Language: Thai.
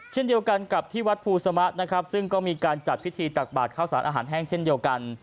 เช่นเดียวกันกับที่วัดภูสมะนะครับซึ่งก็มีการจัดพิธีตักบาทข้าวสารอาหารแห้งเช่นเดียวกัน